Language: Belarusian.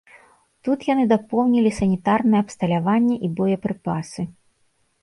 Тут яны дапоўнілі санітарнае абсталяванне і боепрыпасы.